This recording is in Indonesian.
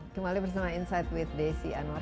kembali bersama insight with desi anwar